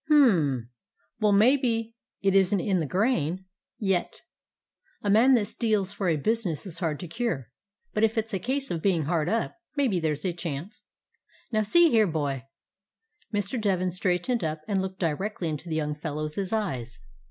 "Hm! Well, maybe it isn't in the grain 151 DOG HEROES OF MANY LANDS yet. A man that steals for a business is hard to cure ; but if it 's a case of being hard up, maybe there 's a chance. Now see here, boy." Mr. Devin straightened up and looked di rectly into the young fellow's eyes.